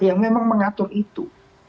yang memang mengatur itu